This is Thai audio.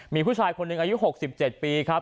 มีผู้ชายคนหนึ่งอายุหกสิบเจ็ดปีครับ